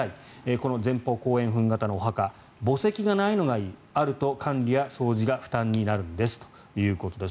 この前方後円墳形のお墓墓石がないのがいいあると管理や掃除が負担になるんですということです。